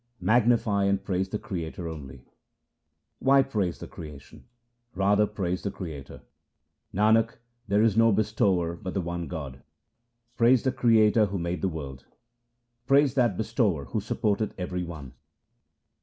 Magnify and praise the Creator only :— Why praise the creation ? Rather praise the Creator ; Nanak, there is no bestower but the One God. Praise the Creator who made the world ; Praise that Bestower who supporteth every one.